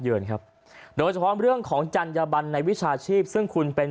เยินครับโดยเฉพาะเรื่องของจัญญบันในวิชาชีพซึ่งคุณเป็น